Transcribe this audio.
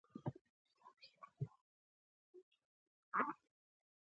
دوی غواړي د ملت پر سرنوشت باندې خپل واک وغوړوي.